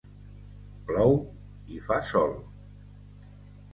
Plou i fa sol.